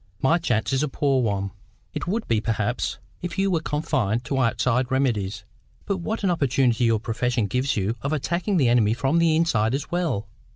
My chance is a poor one." "It would be, perhaps, if you were confined to outside remedies. But what an opportunity your profession gives you of attacking the enemy from the inside as well!